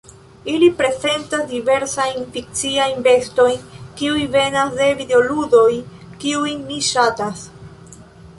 Ili reprezentas diversajn fikciajn bestojn, kiuj venas de videoludoj, kiujn mi ŝatas.